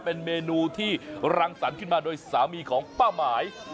เป็นเมนูที่รังสรรค์ขึ้นมาโดยสามีของป้าหมาย